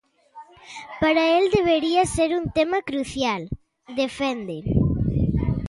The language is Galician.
"Para el debería ser un tema crucial", defende.